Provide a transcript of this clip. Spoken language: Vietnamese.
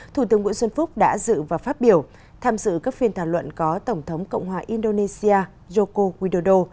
thủ tướng nguyễn xuân phúc đã dự và phát biểu tham dự các phiên thảo luận có tổng thống cộng hòa indonesia joko widodo